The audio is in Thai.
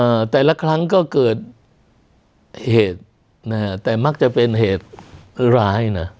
แต่ละครั้งก็เกิดเหตุนะฮะแต่มักจะเป็นเหตุร้ายน่ะ